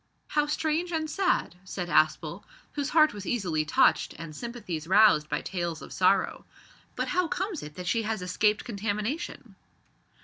"How strange and sad," said Aspel, whose heart was easily touched and sympathies roused by tales of sorrow. "But how comes it that she has escaped contamination?"